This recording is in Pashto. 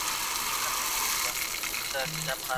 هغې په مینه وویل چې لا هم وخت شته.